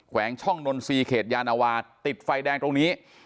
วงช่องนนทรีย์เขตยานวาติดไฟแดงตรงนี้